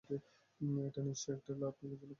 নিশ্চয়ই এটা একটা লাভ! কিছু লেখার কাজও করছি।